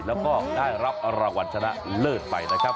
แล้วก็ได้รับรางวัลชนะเลิศไปนะครับ